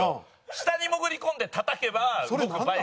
下に潜り込んでたたけば動くバイク。